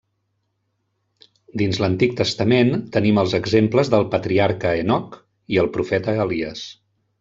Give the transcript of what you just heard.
Dins l'Antic Testament, tenim els exemples del patriarca Henoc i el profeta Elies.